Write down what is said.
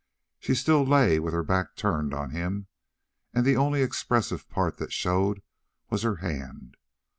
She still lay with her back turned on him, and the only expressive part that showed was her hand.